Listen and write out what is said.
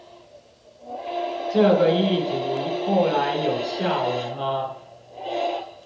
這個議題後來有下文嗎？